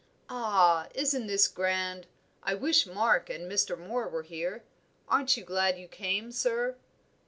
"Ah, this is grand! I wish Mark and Mr. Moor were here. Aren't you glad you came, sir?"